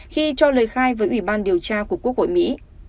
khi cho lời khai với ủy ban điều tra của quốc hội mỹ